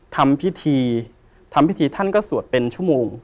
ทำพิธีทำพิธีท่านก็สวดเป็นชั่วโมง